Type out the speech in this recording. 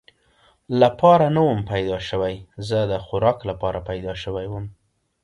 لپاره نه ووم پیدا شوی، زه د خوراک لپاره پیدا شوی ووم.